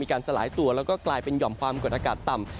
สลายตัวแล้วก็กลายเป็นห่อมความกดอากาศต่ำ